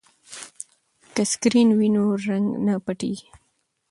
که سکرین وي نو رنګ نه پټیږي.